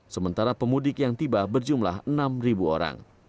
sementara pemudik yang tiba berjumlah enam orang